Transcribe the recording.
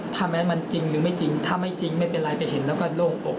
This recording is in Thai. ถ้าแม้มันจริงหรือไม่จริงถ้าไม่จริงไม่เป็นไรไปเห็นแล้วก็โล่งอก